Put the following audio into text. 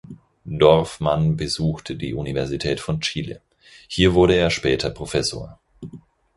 Dorfman besuchte die Universität von Chile, hier wurde er später Professor.